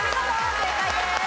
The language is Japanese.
正解です。